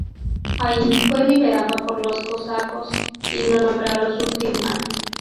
Allí, fue liberado por los cosacos y lo nombraron su "hetman".